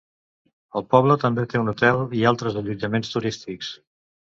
El poble també té un hotel i altres allotjaments turístics.